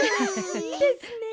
いいですね！